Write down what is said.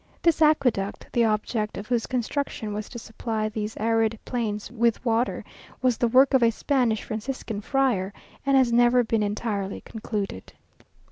This aqueduct, the object of whose construction was to supply these arid plains with water, was the work of a Spanish Franciscan friar, and has never been entirely concluded.